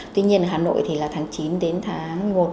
tuy nhiên ở hà nội thì là tháng chín đến tháng một mươi một